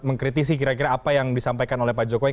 mengkritisi kira kira apa yang disampaikan oleh pak jokowi